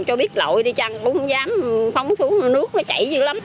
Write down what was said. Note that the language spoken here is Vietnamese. chắc cũng không dám phóng xuống nước nó chảy gì lắm